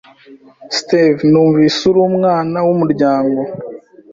Steve, numvise uri umwana wumuryango.